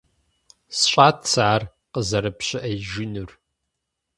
СщӀат сэ ар къызэрыпщыӀеижынур.